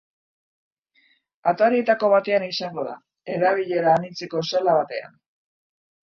Atarietako batean izango da, erabilera anitzeko sala batean.